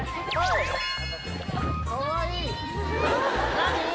何？